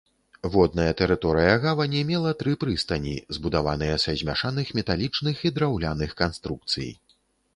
Водная тэрыторыя гавані мела тры прыстані, збудаваныя са змяшаных металічных і драўляных канструкцый.